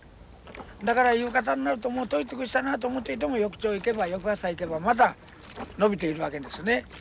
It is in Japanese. だから夕方になるともう取り尽くしたなと思っていても翌朝行けば翌朝行けばまた伸びているわけですね。